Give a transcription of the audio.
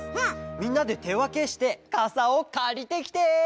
みんなでてわけしてかさをかりてきて！